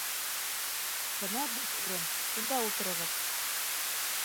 Бына буш урын, шунда ултырығыҙ